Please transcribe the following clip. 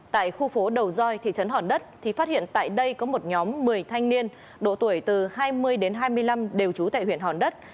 tại khu phố đầu doi thị trấn hòn đất thì phát hiện tại đây có một nhóm một mươi thanh niên độ tuổi từ hai mươi đến hai mươi năm đều trú tại huyện hòn đất